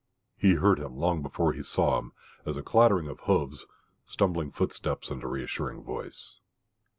He heard him long before he saw him, as a clattering of hoofs, stumbling footsteps, and a reassuring voice.